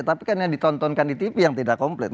tapi karena ditontonkan di tv yang tidak komplit